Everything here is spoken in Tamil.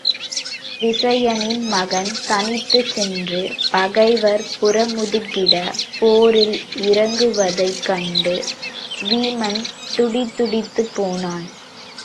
விசயனின் மகன் தனித்துச் சென்று பகைவர் புறமுதுகிடப் போரில் இறங்குவதைக் கண்டு வீமன் துடிதுடித்துப் போனான்.